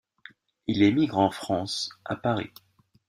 Il émigre en France, à Paris.